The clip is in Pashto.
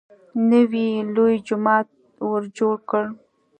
نوی لوی جومات ورجوړ کړ.